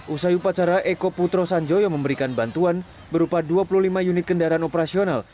usai upacara eko putro sanjoyo memberikan bantuan berupa dua puluh lima unit kendaraan operasional